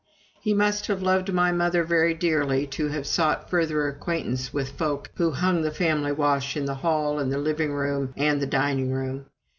He must have loved my mother very dearly to have sought further acquaintance with folk who hung the family wash in the hall and the living room and dining room.